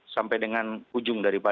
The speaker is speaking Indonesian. sampai dengan ujung dari itu